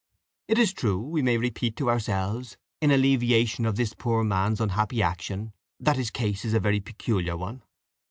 "It is true, we may repeat to ourselves, in alleviation of this poor man's unhappy action, that his case is a very peculiar one.